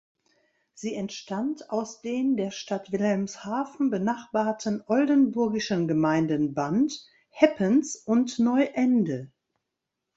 Sie entstand aus den der Stadt Wilhelmshaven benachbarten oldenburgischen Gemeinden Bant, Heppens und Neuende.